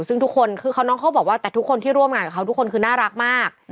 ซึ่งทุกคนคือน้องเขาบอกว่าแต่ทุกคนที่ร่วมงานกับเขาทุกคนคือน่ารักมาก